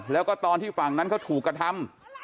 แล้วก็ตอนที่ฝั่งนั้นเขาถูกกระทำ